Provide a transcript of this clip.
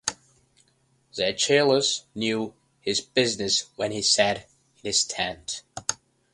Achilles knew his business when he sat in his tent.